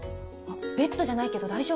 ベッドじゃないけど大丈夫？